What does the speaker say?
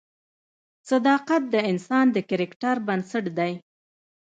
صداقت د انسان د کرکټر بنسټ دی.